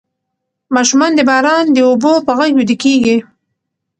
ماشومان د باران د اوبو په غږ ویده کیږي.